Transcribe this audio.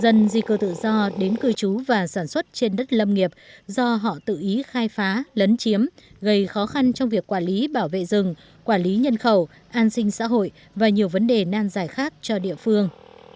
dân di cư tự do đến cư trú và sản xuất trên đất lâm nghiệp do họ tự ý khai phá lấn chiếm gây khó khăn trong việc quản lý bảo vệ rừng quản lý nhân khẩu an sinh xã hội và nhiều vấn đề nan giải khác cho địa phương